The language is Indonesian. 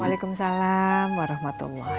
waalaikumsalam warahmatullahi wabarakatuh